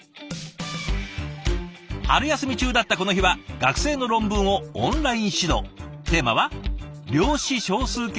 春休み中だったこの日は学生の論文をオンライン指導。